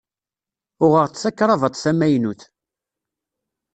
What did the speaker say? Uɣeɣ-d takravat tamaynut.